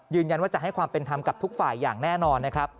ยืนยันว่าจะให้ความเป็นธรรมกับทุกฝ่ายอย่างแน่นอนนะครับ